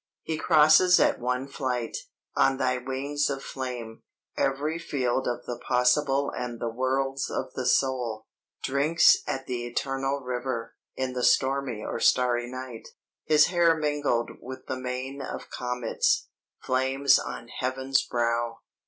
"He crosses at one flight, on thy wings of flame, every field of the Possible and the worlds of the soul; drinks at the eternal river; in the stormy or starry night, his hair mingled with the mane of comets, flames on heaven's brow.